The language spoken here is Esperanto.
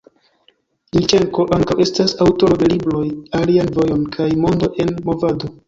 Ilĉenko ankaŭ estas aŭtoro de libroj «Alian vojon» kaj «Mondo en movado».